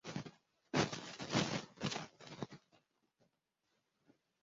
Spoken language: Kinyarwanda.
yarabyirutse abyina nka Byusa Ndagusezeye nkindi ikinditse imidende y'umudendezo